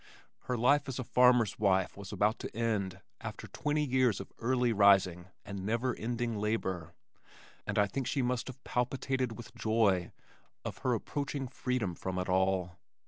Her life as a farmer's wife was about to end after twenty years of early rising and never ending labor, and I think she must have palpitated with joy of her approaching freedom from it all.